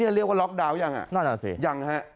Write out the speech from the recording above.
เรียกว่าล็อกดาวน์ยังอ่ะนั่นอ่ะสิยังฮะ